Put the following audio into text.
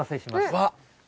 わっ。